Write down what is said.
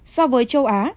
so với châu á